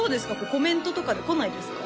コメントとかで来ないですか？